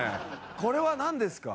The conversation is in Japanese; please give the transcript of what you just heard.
これはなんですか？